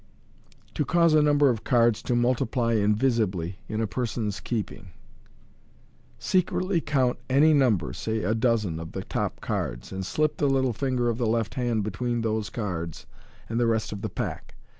To cause a Number of Cards to Multiply invisibly ih a Person's keeping. — Secretly count any number, say a dozen, of the top cards, and slip the little finger of the left hand between those cards and the rest of the pack.